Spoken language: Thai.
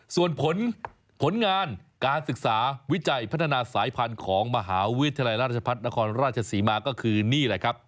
ส่วนผลงานการศึกษาวิจัยพัฒนาสายพันธุ์ของมหาวิทยาลัยราชพัฒนครราชศรีมาก็คือนี่แหละครับ